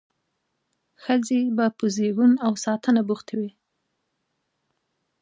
ښځې به په زیږون او ساتنه بوختې وې.